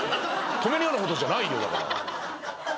止めるようなことじゃないよだから。